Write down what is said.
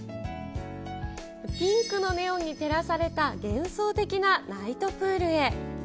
ピンクのネオンに照らされた幻想的なナイトプールへ。